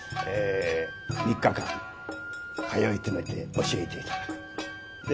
三日間通い詰めて教えて頂く。